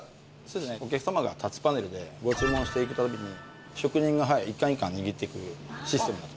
お客様がタッチパネルでご注文していくとおりに職人が一貫一貫握っていくシステムになってます。